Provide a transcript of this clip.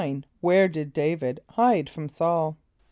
= Where did D[=a]´vid hide from S[a:]ul?